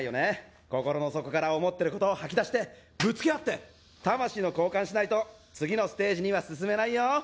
心の底から思ってることを吐き出してぶつけ合って魂の交歓しないと次のステージには進めないよ。